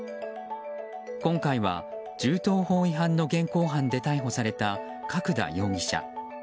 今回は銃刀法違反の現行犯で逮捕された角田容疑者。